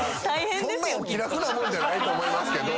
そんなお気楽なもんじゃないと思いますけど。